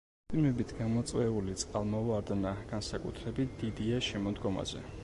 წვიმებით გამოწვეული წყალმოვარდნა განსაკუთრებით დიდია შემოდგომაზე.